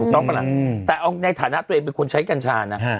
ต้องปะล่ะแต่เอาในฐานะตัวเองเป็นคนใช้กัญชานะ